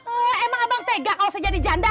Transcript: emang abang tega kalau saya jadi janda